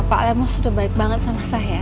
pak lemus sudah baik banget sama saya